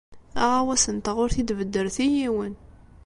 Aɣawas-nteɣ ur t-id-beddret i yiwen.